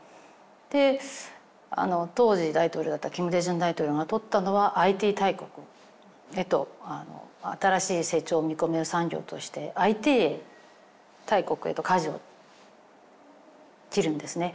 で当時大統領だったキム・デジュン大統領がとったのはＩＴ大国へと新しい成長を見込める産業としてＩＴ大国へと舵を切るんですね。